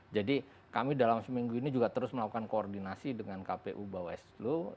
jadi kami dalam seminggu ini juga terus melakukan koordinasi dengan kpu baweslu